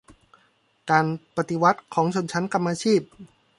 การปฏิวัติของชนชั้นกรรมาชีพ